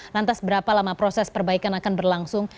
lantas berapa lama proses perbaikan akan berlangsung